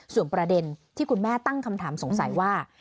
ส่วนประเด็นที่คุณแม่ตั้งคำถามสงสัยว่า